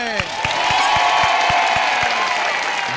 เย้